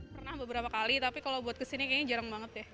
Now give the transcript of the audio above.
pernah beberapa kali tapi kalau buat kesini kayaknya jarang banget ya